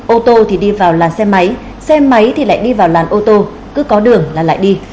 ô tô thì đi vào làn xe máy xe máy thì lại đi vào làn ô tô cứ có đường là lại đi